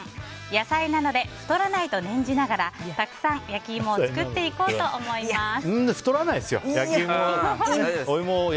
野菜なので太らないと念じながらたくさん焼き芋を作っていこうと思います。